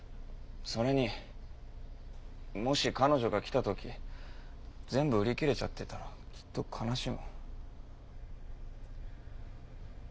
それにもし彼女が来た時全部売り切れちゃってたらきっと悲しむ。